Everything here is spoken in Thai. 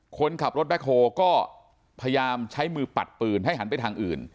คนขับรถแบ็คโฮก็พยายามใช้มือปัดปืนให้หันไปทางอื่น